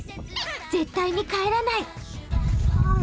絶対に帰らない！